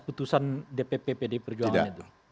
putusan dpp pdi perjuangan itu